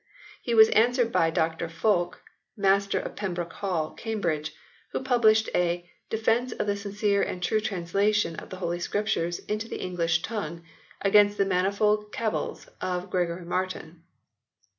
He was answered by Dr Fulke, Master of Pembroke Hall, Cambridge, who published a "Defence of the sincere and true translation of the Holy Scriptures into the English tongue, against the manifold cavils of Gregory Martin."